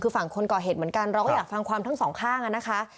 คือฝั่งคนก่อเหตุเหมือนกันเราก็อยากฟังความทั้งสองข้างอ่ะนะคะ